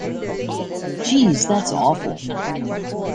Jeez, that's awful!